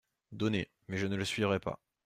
Donnez… mais je ne le suivrai pas.